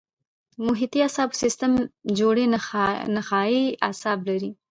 د محیطي اعصابو سیستم جوړې نخاعي اعصاب لري.